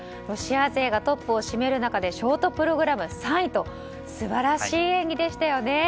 ロシア勢がトップを占める中でショートプログラム３位と素晴らしい演技でしたよね。